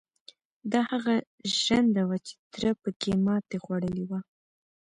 دا هغه ژرنده وه چې تره پکې ماتې خوړلې وه.